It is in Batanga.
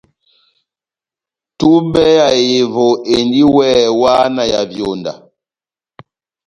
Túbɛ ya ehevo endi weeeh wáhá na ya vyonda.